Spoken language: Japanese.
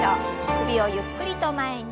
首をゆっくりと前に。